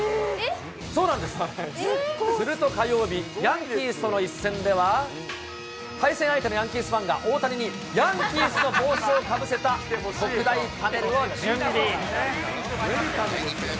そうなんです、すると火曜日、ヤンキースとの一戦では、対戦相手のヤンキースファンが、大谷にヤンキースの帽子をかぶせた特大パネルを準備。